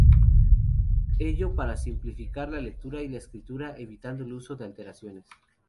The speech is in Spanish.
Ello para simplificar la lectura y la escritura, evitando el uso de alteraciones.